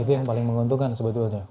itu yang paling menguntungkan sebetulnya